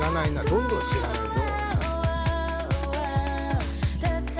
どんどん知らないぞ」